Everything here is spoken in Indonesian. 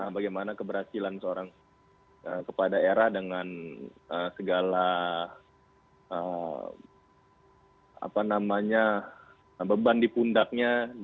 bagaimana keberhasilan seorang kepala daerah dengan segala beban di pundaknya